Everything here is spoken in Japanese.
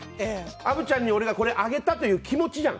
虻ちゃんに俺がこれをあげたという気持ちじゃん。